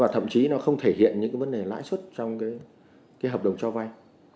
thậm chí nó không thể hiện những vấn đề lãi xuất trong hợp đồng cho vai